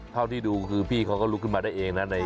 เท่าที่ดูคือพี่เขาก็ลุกขึ้นมาได้เองนะ